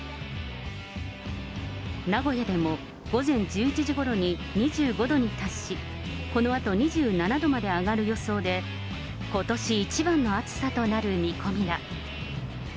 名古屋でも午前１１時ごろに２５度に達し、このあと２７度まで上がる予想で、ことし一番の暑さとなる見込みだ。